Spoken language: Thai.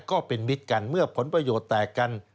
ก็เป็นมิตรกันเมื่อผลประโยชน์แตกกัน